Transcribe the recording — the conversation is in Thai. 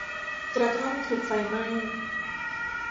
กระท่อมถูกไฟไหม้